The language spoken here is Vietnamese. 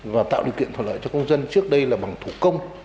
và tạo điều kiện thuận lợi cho công dân trước đây là bằng thủ công